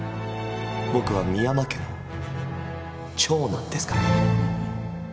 僕は深山家の長男ですから。